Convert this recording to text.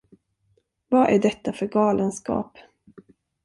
Vad är detta för galenskap?